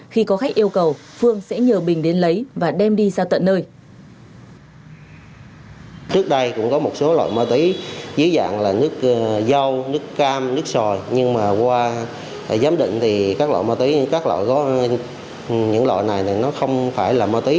khi có khách yêu cầu phương sẽ nhờ bình đến lấy và đem đi ra tận nơi